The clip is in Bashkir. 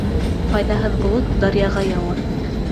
Файҙаһыҙ болот даръяға яуыр.